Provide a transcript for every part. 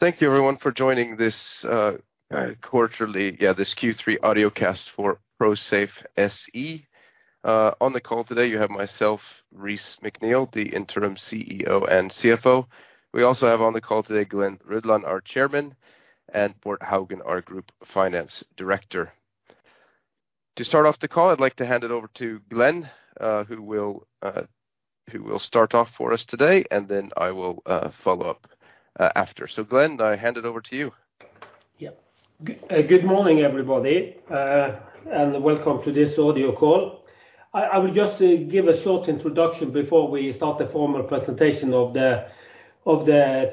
Thank you everyone for joining this quarterly, yeah, this Q3 audiocast for Prosafe SE. On the call today, you have myself, Reese McNeel, the Interim CEO and CFO. We also have on the call today Glen Rødland, our Chairman, and Bård Haugan, our Group Finance Director. To start off the call, I'd like to hand it over to Glen, who will start off for us today, and then I will follow up after. So Glen, I hand it over to you. Yeah. Good morning, everybody, and welcome to this audio call. I will just give a short introduction before we start the formal presentation of the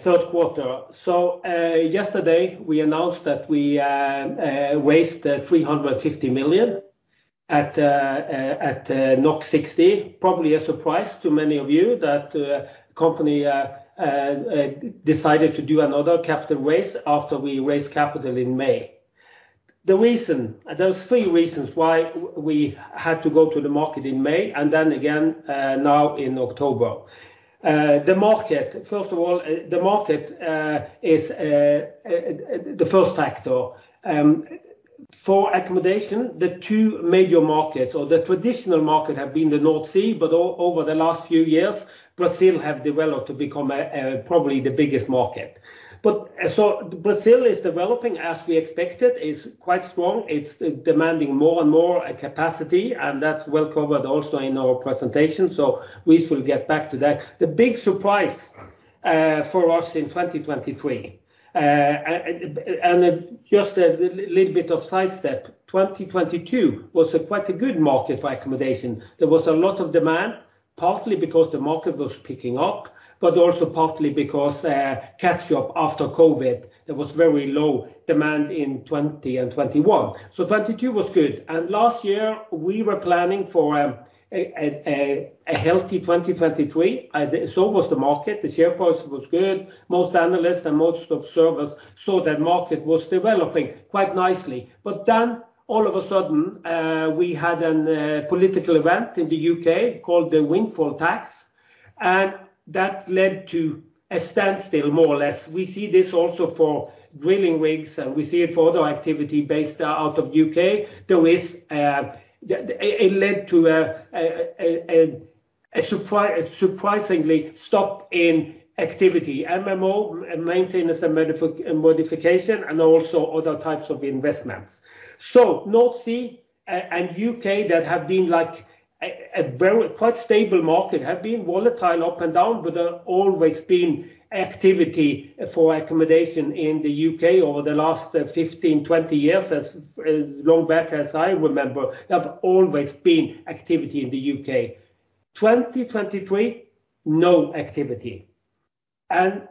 third quarter. So, yesterday, we announced that we raised 350 million at 60. Probably a surprise to many of you that company decided to do another capital raise after we raised capital in May. The reason— There was three reasons why we had to go to the market in May, and then again now in October. The market, first of all, the market is the first factor. For accommodation, the two major markets or the traditional market have been the North Sea, but over the last few years, Brazil have developed to become probably the biggest market. But so Brazil is developing as we expected, it's quite strong. It's demanding more and more capacity, and that's well covered also in our presentation, so we will get back to that. The big surprise for us in 2023, and just a little bit of sidestep, 2022 was quite a good market for accommodation. There was a lot of demand, partly because the market was picking up, but also partly because catch-up after COVID, there was very low demand in 2020 and 2021. So 2022 was good, and last year we were planning for a healthy 2023, so was the market. The share price was good. Most analysts and most observers saw that market was developing quite nicely. But then, all of a sudden, we had a political event in the U.K. called the windfall tax, and that led to a standstill, more or less. We see this also for drilling rigs, and we see it for other activity based out of U.K. There is... It led to a surprising stop in activity, MMO, maintenance and modification, and also other types of investments. So North Sea and U.K. that have been like a very quite stable market, have been volatile, up and down, but there has always been activity for accommodation in the U.K. over the last 15, 20 years, as long back as I remember, there have always been activity in the U.K. 2023, no activity and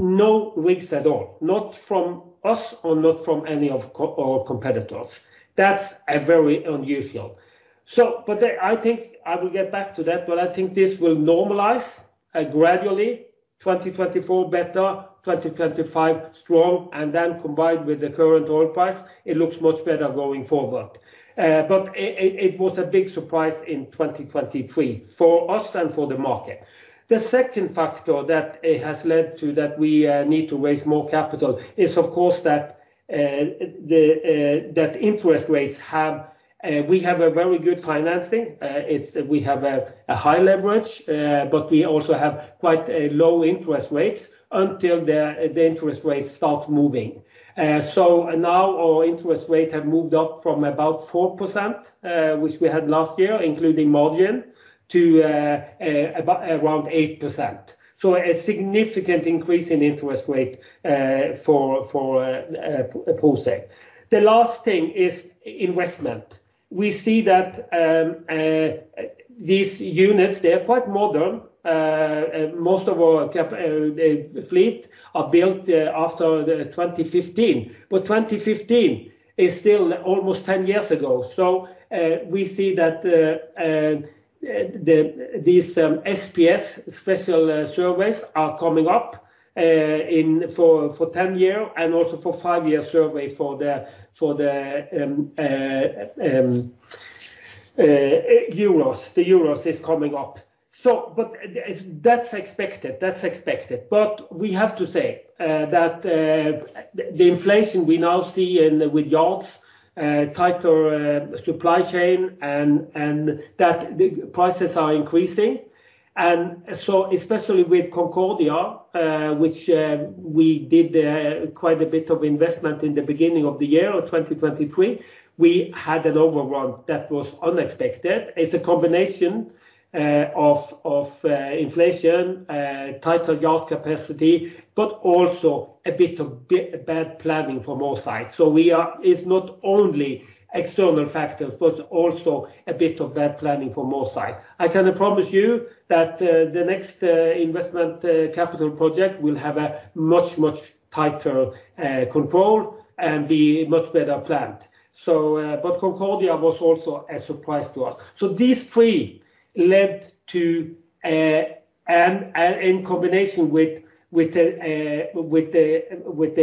no rigs at all, not from us or not from any of our competitors. That's very unusual. But I think I will get back to that, but I think this will normalize gradually, 2024 better, 2025 strong, and then combined with the current oil price, it looks much better going forward. But it was a big surprise in 2023 for us and for the market. The second factor that has led to that we need to raise more capital is, of course, that the interest rates have we have a very good financing. It's we have a high leverage, but we also have quite low interest rates until the interest rates start moving. So now our interest rates have moved up from about 4%, which we had last year, including margin, to around 8%. So a significant increase in interest rate for Prosafe. The last thing is investment. We see that these units, they are quite modern. Most of our fleet are built after 2015, but 2015 is still almost 10 years ago. So we see that these SPS special surveys are coming up for 10-year and also for five-year survey for the Eurus. The Eurus is coming up. But that's expected. That's expected. But we have to say that the inflation we now see in with yards, tighter supply chain and that the prices are increasing. And so especially with Concordia, which we did quite a bit of investment in the beginning of the year of 2023, we had an overrun that was unexpected. It's a combination of inflation, tighter yard capacity, but also a bit of bad planning from our side. So we are. It's not only external factors, but also a bit of bad planning from our side. I can promise you that the next investment capital project will have a much, much tighter control and be much better planned. So, but Concordia was also a surprise to us. So these three led to a... And in combination with the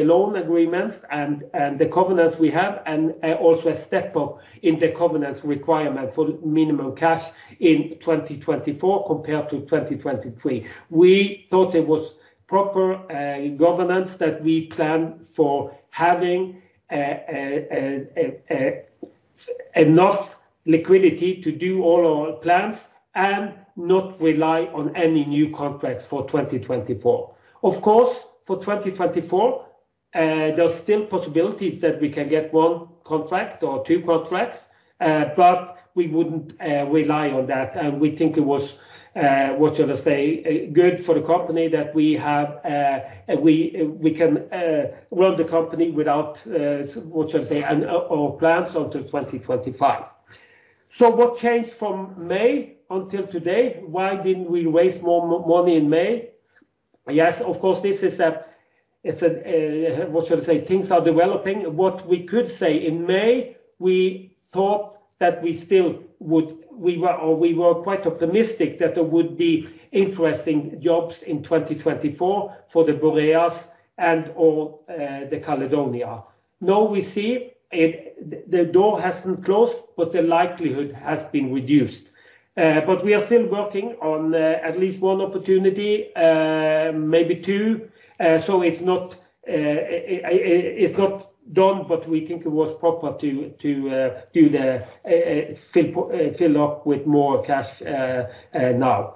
loan agreements and the covenants we have, and also a step up in the covenants requirement for minimum cash in 2024 compared to 2023. We thought it was proper governance that we plan for having enough liquidity to do all our plans and not rely on any new contracts for 2024. Of course, for 2024, there's still possibilities that we can get one contract or two contracts, but we wouldn't rely on that. And we think it was what you would say good for the company that we have we can run the company without what should I say our plans until 2025. So what changed from May until today? Why didn't we raise more money in May? Yes, of course, this is a, it's a, what should I say? Things are developing. What we could say in May, we thought that we still would—we were, or we were quite optimistic that there would be interesting jobs in 2024 for the Boreas and or the Caledonia. Now we see it, the door hasn't closed, but the likelihood has been reduced. But we are still working on at least one opportunity, maybe two. So it's not, it's not done, but we think it was proper to do the fill up with more cash now.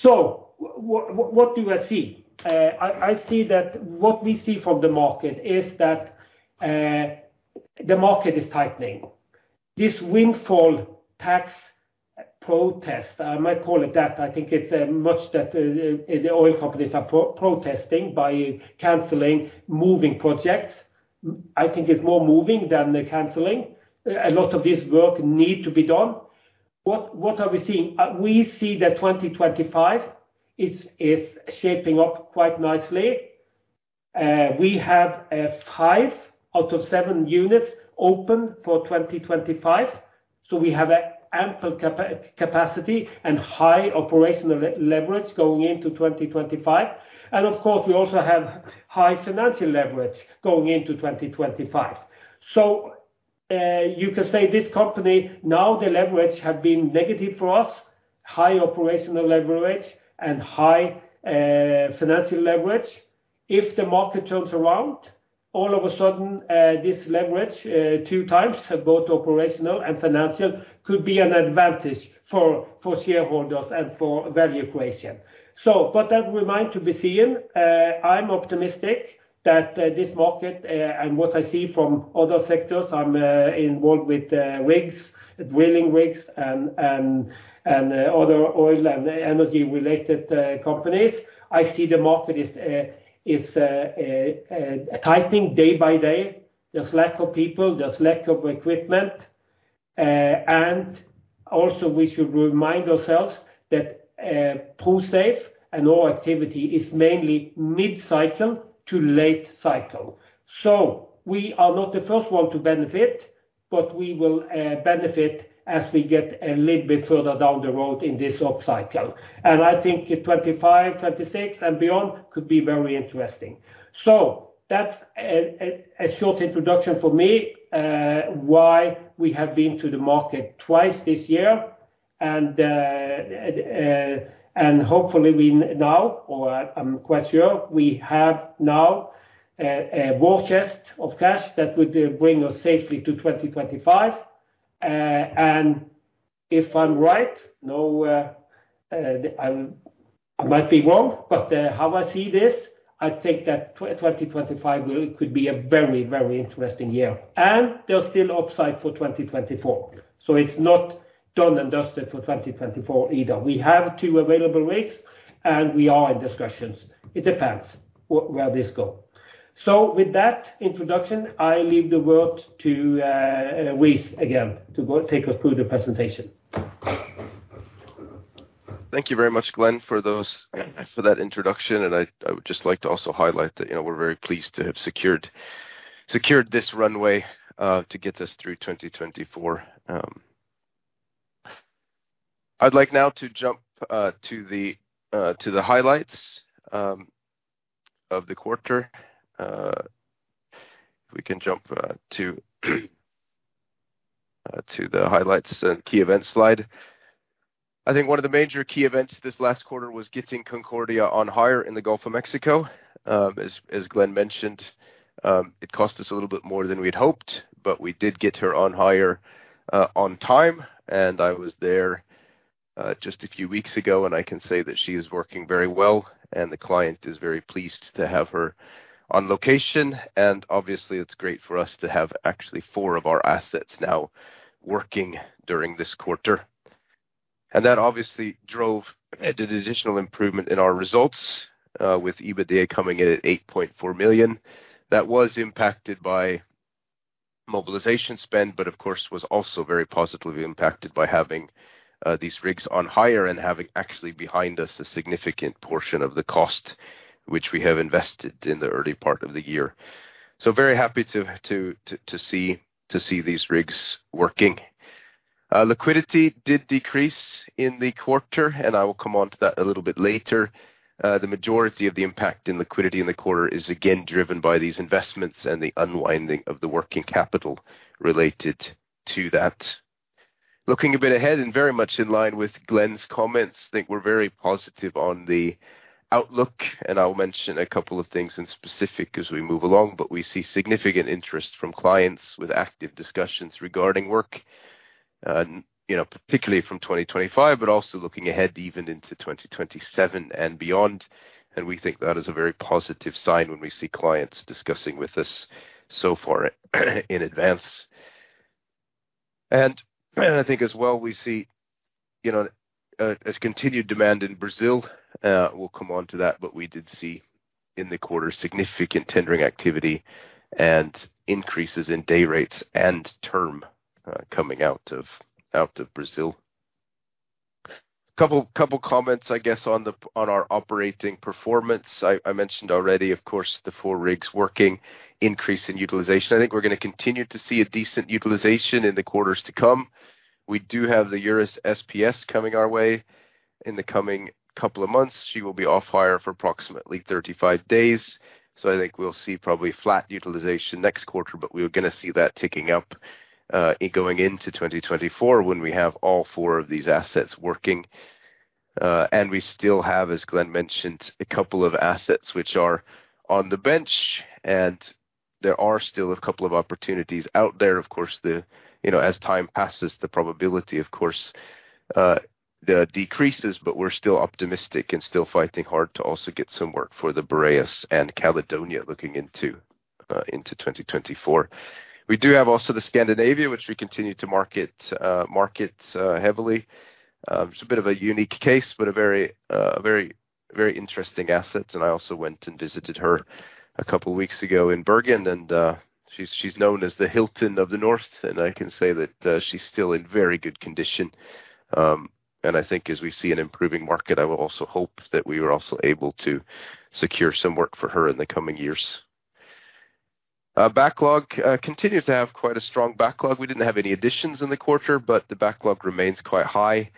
So what do I see? I see that what we see from the market is that the market is tightening. This windfall tax protest, I might call it that, I think it's much that the oil companies are protesting by canceling moving projects. I think it's more moving than the canceling. A lot of this work need to be done. What are we seeing? We see that 2025 is shaping up quite nicely. We have five out of seven units open for 2025, so we have ample capacity and high operational leverage going into 2025. And of course, we also have high financial leverage going into 2025. So you can say this company, now the leverage have been negative for us, high operational leverage and high financial leverage. If the market turns around, all of a sudden, this leverage, 2x, both operational and financial, could be an advantage for shareholders and for value creation. So but that remain to be seen. I'm optimistic that this market and what I see from other sectors, I'm involved with, rigs, drilling rigs and other oil and energy-related companies. I see the market is tightening day by day. There's lack of people, there's lack of equipment, and also we should remind ourselves that Prosafe and all activity is mainly mid-cycle to late cycle. So we are not the first one to benefit, but we will benefit as we get a little bit further down the road in this upcycle. And I think 2025, 2026 and beyond could be very interesting. So that's a short introduction for me, why we have been to the market twice this year, and hopefully we now, or I'm quite sure, we have now a war chest of cash that would bring us safely to 2025. And if I'm right, no, I might be wrong, but how I see this, I think that 2025 will could be a very, very interesting year, and there's still upside for 2024. So it's not done and dusted for 2024 either. We have two available rigs, and we are in discussions. It depends where this go. So with that introduction, I leave the word to Reese, again, to go take us through the presentation. Thank you very much, Glen, for that introduction, and I would just like to also highlight that, you know, we're very pleased to have secured this runway to get us through 2024. I'd like now to jump to the highlights of the quarter. If we can jump to the highlights and key events slide. I think one of the major key events this last quarter was getting Concordia on hire in the Gulf of Mexico. As Glen mentioned, it cost us a little bit more than we'd hoped, but we did get her on hire on time, and I was there just a few weeks ago, and I can say that she is working very well, and the client is very pleased to have her on location. Obviously, it's great for us to have actually four of our assets now working during this quarter. That obviously drove an additional improvement in our results, with EBITDA coming in at $8.4 million. That was impacted by mobilization spend, but of course, was also very positively impacted by having these rigs on hire and having actually behind us a significant portion of the cost, which we have invested in the early part of the year. Very happy to see these rigs working. Liquidity did decrease in the quarter, and I will come on to that a little bit later. The majority of the impact in liquidity in the quarter is again, driven by these investments and the unwinding of the working capital related to that. Looking a bit ahead, and very much in line with Glen's comments, I think we're very positive on the outlook, and I'll mention a couple of things in specific as we move along. But we see significant interest from clients with active discussions regarding work, and, you know, particularly from 2025, but also looking ahead even into 2027 and beyond. And we think that is a very positive sign when we see clients discussing with us so far in advance. And I think as well, we see, you know, as continued demand in Brazil, we'll come on to that, but we did see in the quarter significant tendering activity and increases in day rates and term, coming out of Brazil. Couple comments, I guess, on our operating performance. I mentioned already, of course, the four rigs working, increase in utilization. I think we're gonna continue to see a decent utilization in the quarters to come. We do have the Eurus SPS coming our way in the coming couple of months. She will be off hire for approximately 35 days, so I think we'll see probably flat utilization next quarter, but we're gonna see that ticking up in going into 2024, when we have all four of these assets working. And we still have, as Glen mentioned, a couple of assets which are on the bench, and there are still a couple of opportunities out there. Of course, you know, as time passes, the probability, of course, decreases, but we're still optimistic and still fighting hard to also get some work for the Boreas and Caledonia looking into 2024. We do have also the Scandinavia, which we continue to market heavily. It's a bit of a unique case, but a very, very interesting asset. And I also went and visited her a couple of weeks ago in Bergen, and she's known as the Hilton of the North, and I can say that she's still in very good condition. And I think as we see an improving market, I will also hope that we are also able to secure some work for her in the coming years. Backlog continues to have quite a strong backlog. We didn't have any additions in the quarter, but the backlog remains quite high.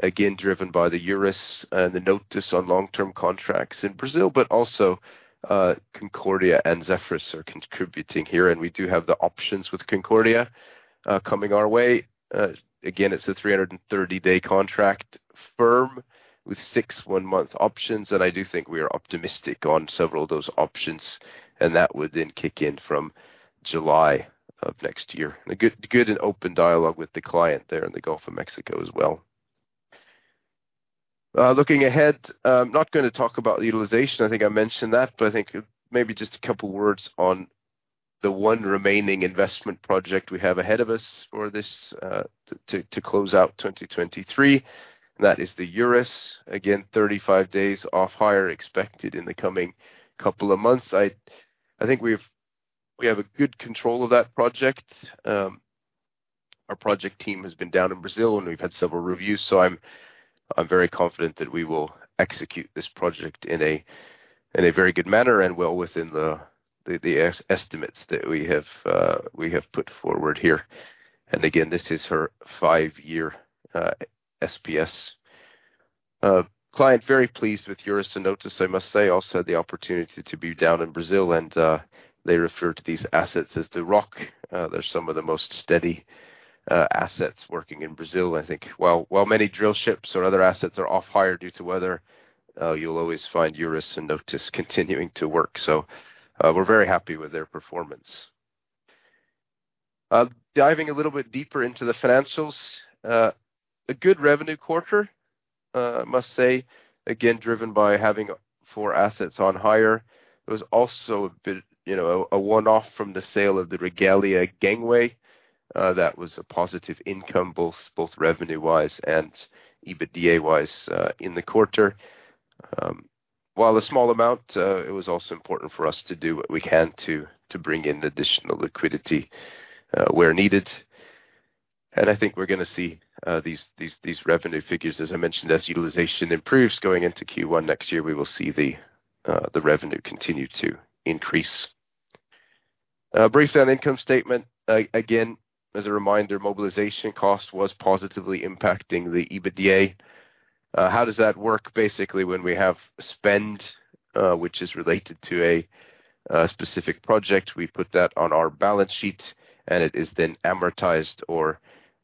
Again, driven by the Eurus and the Notos on long-term contracts in Brazil, but also, Concordia and Zephyrus are contributing here, and we do have the options with Concordia coming our way. Again, it's a 330-day contract firm with six one-month options, and I do think we are optimistic on several of those options, and that would then kick in from July of next year. A good and open dialogue with the client there in the Gulf of Mexico as well. Looking ahead, I'm not gonna talk about utilization. I think I mentioned that, but I think maybe just a couple words on the one remaining investment project we have ahead of us for this to close out 2023, and that is the Eurus. Again, 35 days off hire expected in the coming couple of months. I think we have a good control of that project. Our project team has been down in Brazil, and we've had several reviews, so I'm very confident that we will execute this project in a very good manner and well within the estimates that we have put forward here. And again, this is her five-year SPS. Client very pleased with Eurus and Notos, I must say. Also, had the opportunity to be down in Brazil, and they refer to these assets as the rock. They're some of the most steady assets working in Brazil, I think. While many drillships or other assets are off hire due to weather, you'll always find Eurus and Notos continuing to work. So, we're very happy with their performance. Diving a little bit deeper into the financials. A good revenue quarter, I must say, again, driven by having four assets on hire. There was also a bit, you know, a one-off from the sale of the Regalia gangway. That was a positive income, both, both revenue-wise and EBITDA-wise, in the quarter. While a small amount, it was also important for us to do what we can to, to bring in additional liquidity, where needed. And I think we're gonna see, these, these, these revenue figures, as I mentioned, as utilization improves going into Q1 next year, we will see the, the revenue continue to increase. Brief on income statement. Again, as a reminder, mobilization cost was positively impacting the EBITDA. How does that work? Basically, when we have spend which is related to a specific project, we put that on our balance sheet, and it is then amortized or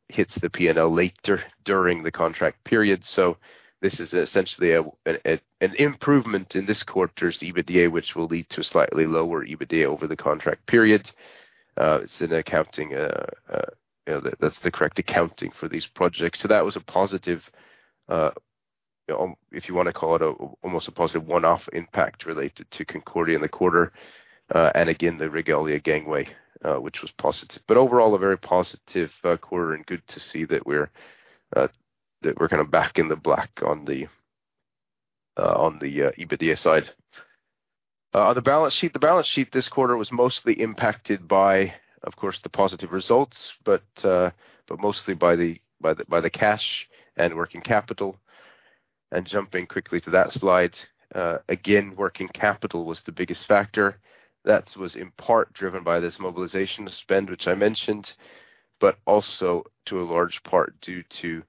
hits the P&L later during the contract period. So this is essentially an improvement in this quarter's EBITDA, which will lead to a slightly lower EBITDA over the contract period. It's an accounting, you know, that's the correct accounting for these projects. So that was a positive, if you wanna call it, almost a positive one-off impact related to Concordia in the quarter, and again, the Regalia gangway, which was positive. But overall, a very positive quarter, and good to see that we're that we're kind of back in the black on the EBITDA side. On the balance sheet. The balance sheet this quarter was mostly impacted by, of course, the positive results, but mostly by the cash and working capital. Jumping quickly to that slide, again, working capital was the biggest factor. That was in part driven by this mobilization spend, which I mentioned, but also to a large part due to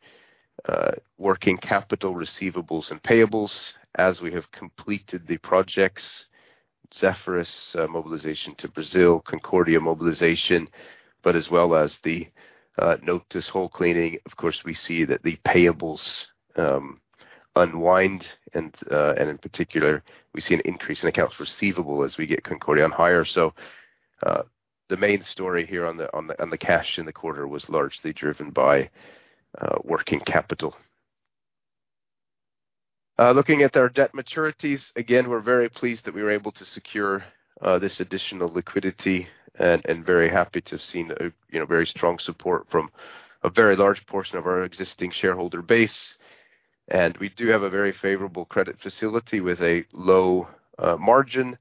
working capital, receivables and payables, as we have completed the projects. Zephyrus mobilization to Brazil, Concordia mobilization, but as well as the Notos hull cleaning, of course, we see that the payables unwind and, in particular, we see an increase in accounts receivable as we get Concordia on hire. So, the main story here on the cash in the quarter was largely driven by working capital. Looking at our debt maturities, again, we're very pleased that we were able to secure this additional liquidity and very happy to have seen a, you know, very strong support from a very large portion of our existing shareholder base. And we do have a very favorable credit facility with a low margin.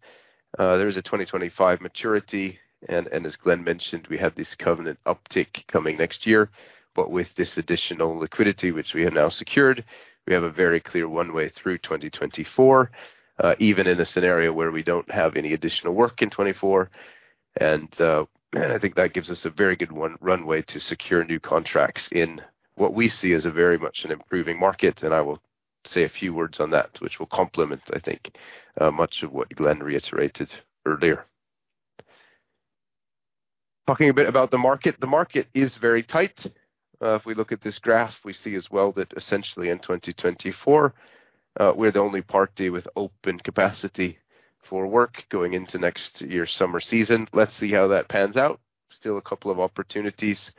There is a 2025 maturity, and as Glen mentioned, we have this covenant uptick coming next year. But with this additional liquidity, which we have now secured, we have a very clear one-way through 2024, even in a scenario where we don't have any additional work in 2024. I think that gives us a very good one-runway to secure new contracts in what we see as a very much an improving market, and I will say a few words on that, which will complement, I think, much of what Glen reiterated earlier. Talking a bit about the market. The market is very tight. If we look at this graph, we see as well that essentially in 2024, we're the only party with open capacity for work going into next year's summer season. Let's see how that pans out. Still a couple of opportunities,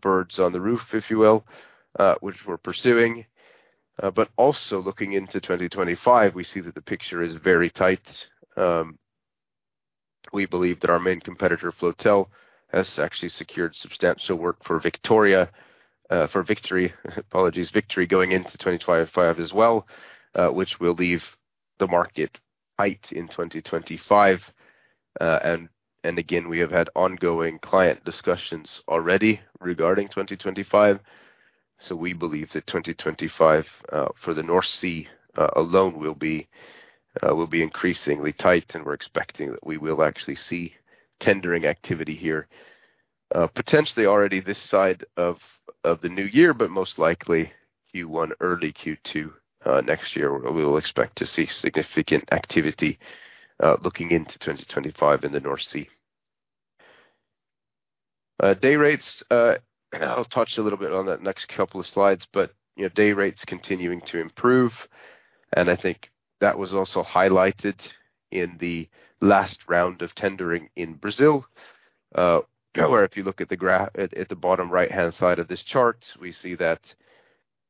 birds on the roof, if you will, which we're pursuing. But also looking into 2025, we see that the picture is very tight. We believe that our main competitor, Floatel, has actually secured substantial work for Victory, apologies, Victory, going into 2025 as well, which will leave the market tight in 2025. And again, we have had ongoing client discussions already regarding 2025. So we believe that 2025, for the North Sea, alone, will be, will be increasingly tight, and we're expecting that we will actually see tendering activity here, potentially already this side of the new year, but most likely Q1, early Q2, next year, we will expect to see significant activity, looking into 2025 in the North Sea. Day rates, I'll touch a little bit on that next couple of slides, but, you know, day rates continuing to improve, and I think that was also highlighted in the last round of tendering in Brazil. Where if you look at the bottom right-hand side of this chart, we see that,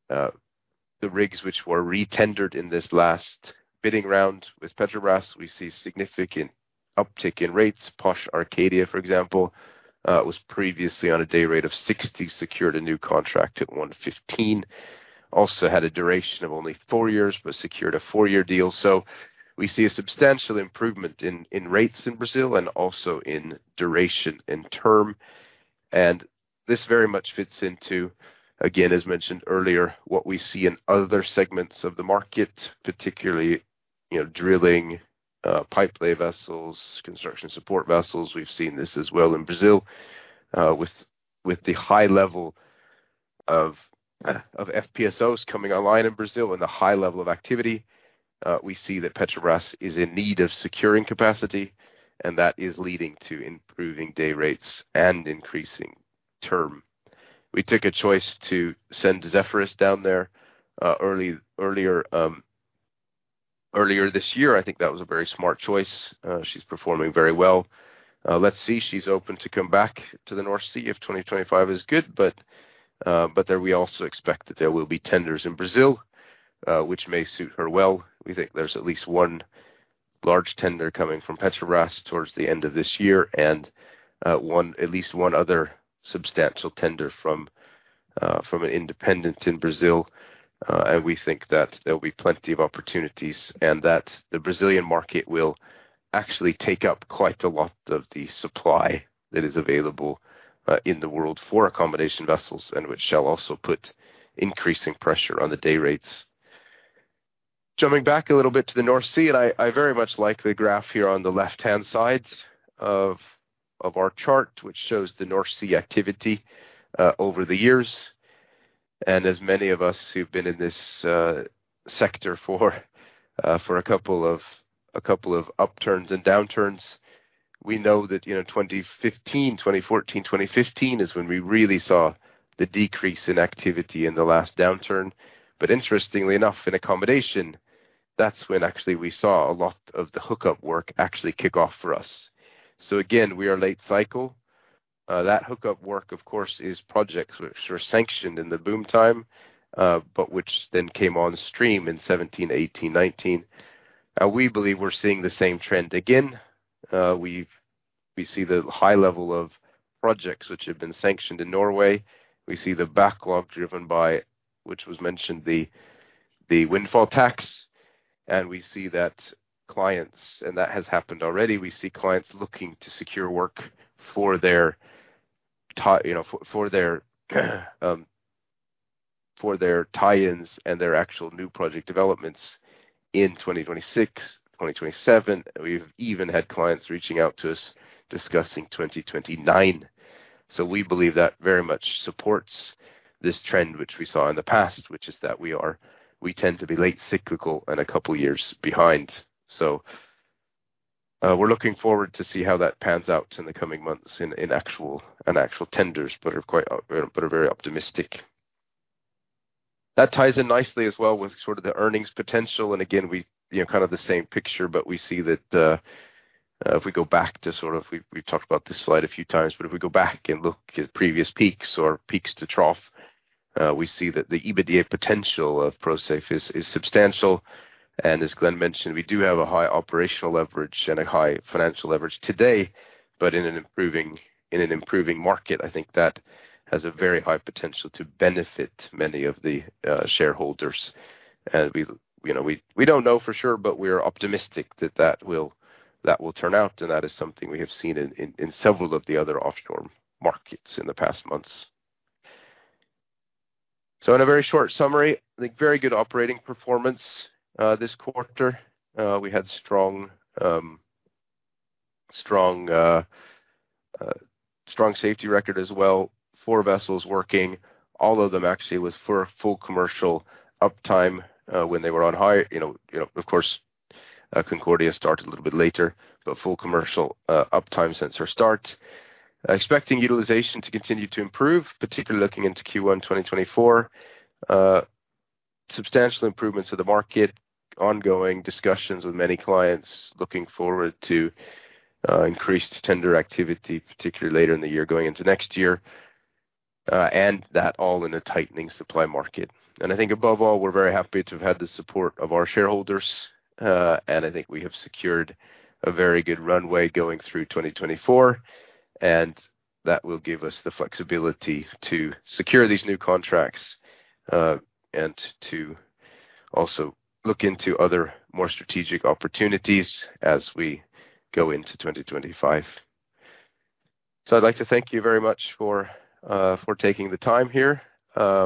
the rigs which were re-tendered in this last bidding round with Petrobras, we see significant uptick in rates. POSH Arcadia, for example, was previously on a day rate of $60, secured a new contract at $115. Also had a duration of only four years, but secured a four-year deal. So we see a substantial improvement in, in rates in Brazil and also in duration and term. This very much fits into, again, as mentioned earlier, what we see in other segments of the market, particularly, you know, drilling, pipelay vessels, construction support vessels. We've seen this as well in Brazil with the high level of FPSOs coming online in Brazil and the high level of activity we see that Petrobras is in need of securing capacity, and that is leading to improving day rates and increasing term. We took a choice to send Zephyrus down there earlier this year. I think that was a very smart choice. She's performing very well. She's open to come back to the North Sea if 2025 is good, but then we also expect that there will be tenders in Brazil, which may suit her well. We think there's at least one large tender coming from Petrobras towards the end of this year and at least one other substantial tender from an independent in Brazil. And we think that there will be plenty of opportunities, and that the Brazilian market will actually take up quite a lot of the supply that is available in the world for accommodation vessels, and which shall also put increasing pressure on the day rates. Jumping back a little bit to the North Sea, and I very much like the graph here on the left-hand side of our chart, which shows the North Sea activity over the years. As many of us who've been in this sector for a couple of upturns and downturns, we know that, you know, 2015, 2014, 2015, is when we really saw the decrease in activity in the last downturn. But interestingly enough, in accommodation, that's when actually we saw a lot of the hook-up work actually kick off for us. So again, we are late cycle. That hook-up work, of course, is projects which were sanctioned in the boom time, but which then came on stream in 2017, 2018, 2019. We believe we're seeing the same trend again. We see the high level of projects which have been sanctioned in Norway. We see the backlog driven by, which was mentioned, the windfall tax, and we see that clients... And that has happened already. We see clients looking to secure work for their tie-ins, you know, for their tie-ins and their actual new project developments in 2026, 2027. We've even had clients reaching out to us discussing 2029. So we believe that very much supports this trend, which we saw in the past, which is that we tend to be late cyclical and a couple of years behind. We're looking forward to see how that pans out in the coming months in actual tenders, but are very optimistic. That ties in nicely as well with sort of the earnings potential, and again, we, you know, kind of the same picture, but we see that, if we go back to sort of, we've talked about this slide a few times, but if we go back and look at previous peaks or peaks to trough, we see that the EBITDA potential of Prosafe is substantial. And as Glen mentioned, we do have a high operational leverage and a high financial leverage today, but in an improving market, I think that has a very high potential to benefit many of the shareholders. We, you know, don't know for sure, but we are optimistic that that will turn out, and that is something we have seen in several of the other offshore markets in the past months. So in a very short summary, I think, very good operating performance this quarter. We had strong safety record as well, four vessels working. All of them actually was for a full commercial uptime when they were on hire. You know, of course, Concordia started a little bit later, but full commercial uptime since her start. Expecting utilization to continue to improve, particularly looking into Q1 2024. Substantial improvements to the market, ongoing discussions with many clients, looking forward to increased tender activity, particularly later in the year, going into next year, and that all in a tightening supply market. And I think above all, we're very happy to have had the support of our shareholders, and I think we have secured a very good runway going through 2024, and that will give us the flexibility to secure these new contracts, and to also look into other more strategic opportunities as we go into 2025. So I'd like to thank you very much for taking the time here, and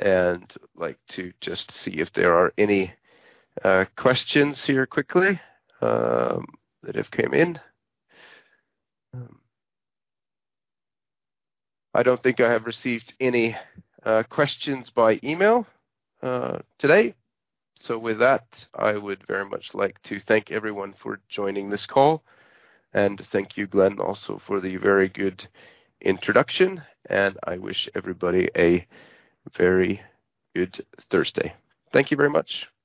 I'd like to just see if there are any questions here quickly, that have came in. I don't think I have received any questions by email today. With that, I would very much like to thank everyone for joining this call, and thank you, Glen, also for the very good introduction, and I wish everybody a very good Thursday. Thank you very much.